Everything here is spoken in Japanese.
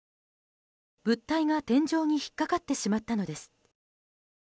物体が天井に引っかかってしまったのです。